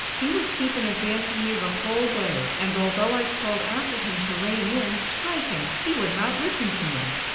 "He would keep in advance of me the whole way; and although I called after him to rein in—strike him!—he would not listen to me."